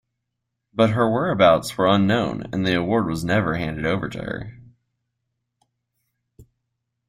But her whereabouts were unknown and the award was never handed over to her.